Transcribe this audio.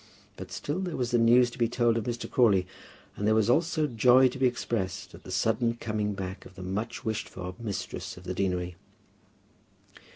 But still there was the news to be told of Mr. Crawley, and there was also joy to be expressed at the sudden coming back of the much wished for mistress of the deanery.